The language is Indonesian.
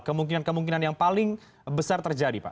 kemungkinan kemungkinan yang paling besar terjadi pak